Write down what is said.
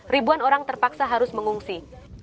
ribuan orang terpaksa harus mengungsi